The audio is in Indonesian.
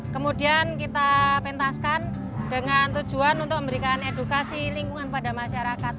kemudian kita pentaskan dengan tujuan untuk memberikan edukasi lingkungan pada masyarakat